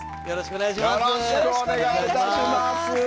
よろしくお願いします。